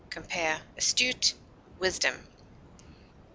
Compare ASTUTE; WISDOM.